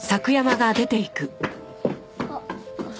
あっ。